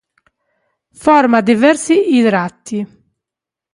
Forma diversi idrati.